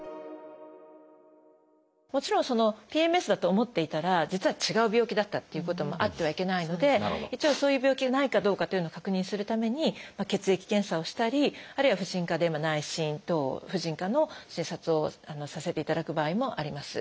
もちろんＰＭＳだと思っていたら実は違う病気だったっていうこともあってはいけないので一応そういう病気がないかどうかというのを確認するために血液検査をしたりあるいは婦人科で内診等婦人科の診察をさせていただく場合もあります。